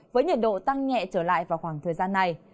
với nhiệt độ tăng nhẹ trở lại vào khoảng thời gian này